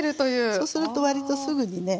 そうするとわりとすぐにね